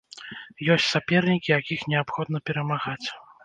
Ёсць сапернікі, якіх неабходна перамагаць.